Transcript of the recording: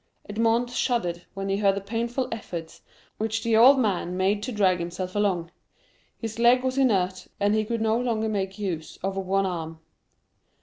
Edmond shuddered when he heard the painful efforts which the old man made to drag himself along; his leg was inert, and he could no longer make use of one arm.